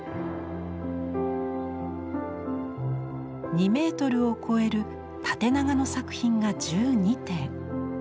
２メートルを超える縦長の作品が１２点。